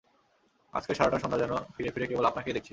আজকের সারাটা সন্ধ্যা যেন ফিরে ফিরে কেবল আপনাকেই দেখছি।